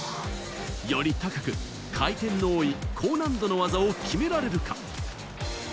より高く回転の多い高難度の技を決められるか。